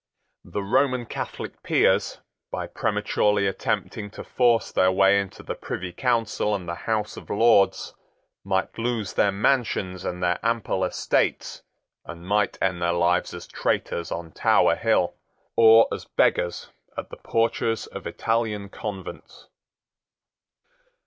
The Roman Catholic peers, by prematurely attempting to force their way into the Privy Council and the House of Lords, might lose their mansions and their ample estates, and might end their lives as traitors on Tower Hill, or as beggars at the porches of Italian convents.